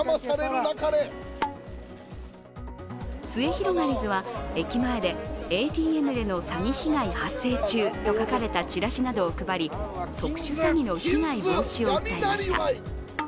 すゑひろがりずは駅前で「ＡＴＭでの詐欺被害発生中」などと書かれたチラシなどを配り、特殊詐欺の被害防止を訴えました。